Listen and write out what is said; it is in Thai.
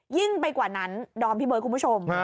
ยิ่งไปกว่านั้นดอมพี่เบิร์ดคุณผู้ชม